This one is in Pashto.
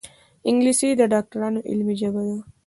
انګلیسي د ډاکټرانو علمي ژبه ده